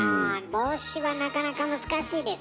帽子はなかなか難しいですね。